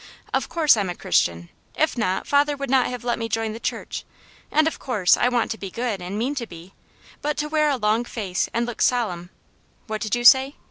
Of course, I am a Christian ; if not, father would not have let me join the church ; and, of course, I want to be good, and mean to be ; but to wear a long face and look solemn — what did you say.